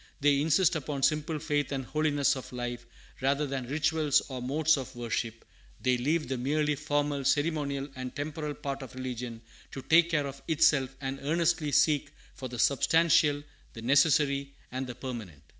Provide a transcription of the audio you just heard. They insist upon simple faith and holiness of life, rather than rituals or modes of worship; they leave the merely formal, ceremonial, and temporal part of religion to take care of itself, and earnestly seek for the substantial, the necessary, and the permanent.